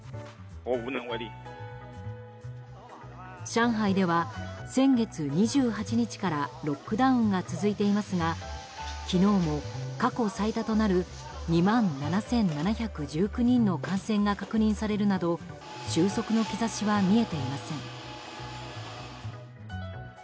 上海では先月２８日からロックダウンが続いていますが昨日も過去最多となる２万７７１９人の感染が確認されるなど収束の兆しは見えていません。